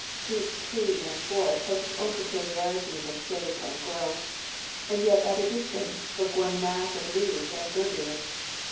Each tree in a forest has its own peculiarities of shape and growth, and yet all at a distance look one mass of leaf and verdure.